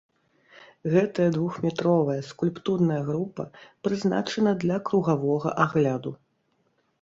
Гэтая двухметровая скульптурная група прызначана для кругавога агляду.